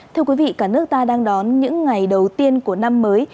thưa quý vị cả nước ta đang đón những ngày đầu tiên của năm mới